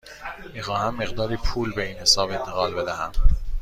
می خواهم مقداری پول به این حساب انتقال بدهم.